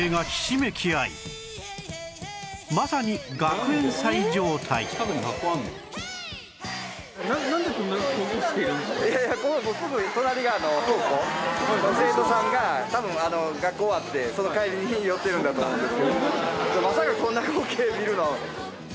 まさかこんな光景見るの。